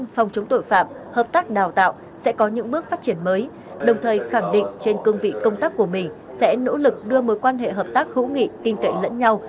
phòng chống tội phạm hợp tác đào tạo sẽ có những bước phát triển mới đồng thời khẳng định trên cương vị công tác của mình sẽ nỗ lực đưa mối quan hệ hợp tác hữu nghị tin cậy lẫn nhau